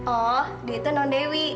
oh dia itu nondewi